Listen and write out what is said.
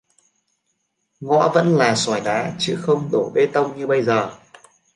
Ngõ vẫn là sỏi đá chứ không đổ bê tông như bây giờ